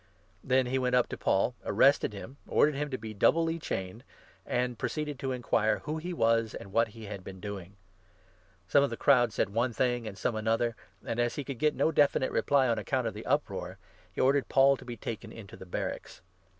Then he went up to Paul, arrested him, 33 ordered him to be doubly chained, and proceeded to inquire who he was, and what he had been doing. Some of the crowd 34 said one thing, and some another ; and, as he could get no defi nite reply on account of the uproar, he ordered Paul to be taken into the barracks.